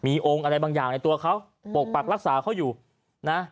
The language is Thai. มีองค์อะไรบางอย่างในตัวเขาปกปักรักษาเขาอยู่นะ